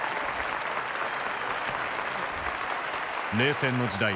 冷戦の時代